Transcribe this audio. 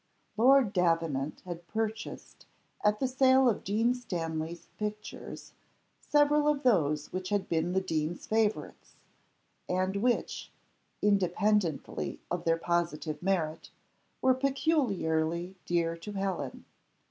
Lord Davenant had purchased, at the sale of Dean Stanley's pictures, several of those which had been the dean's favourites, and which, independently of their positive merit, were peculiarly dear to Helen.